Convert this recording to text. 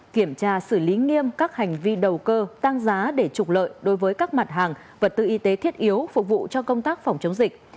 kiểm tra xử lý nghiêm các hành vi đầu cơ tăng giá để trục lợi đối với các mặt hàng vật tư y tế thiết yếu phục vụ cho công tác phòng chống dịch